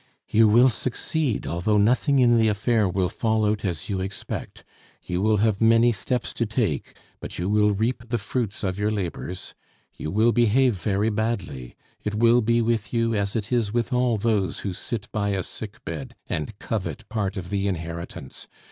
"You will succeed, although nothing in the affair will fall out as you expect. You will have many steps to take, but you will reap the fruits of your labors. You will behave very badly; it will be with you as it is with all those who sit by a sick bed and covet part of the inheritance.